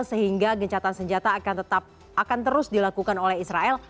sehingga gencatan senjata akan terus dilakukan oleh israel